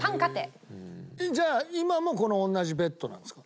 じゃあ今もこの同じベッドなんですか？